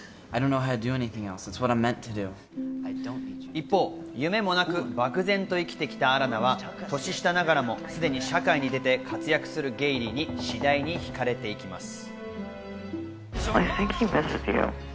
一方、夢もなく、漠然と生きてきたアラナは年下ながらも、すでに社会に出て活躍するゲイリーに次第に惹かれていきます。